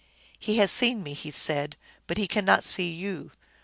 " He has seen me," he said, " but he can not see you.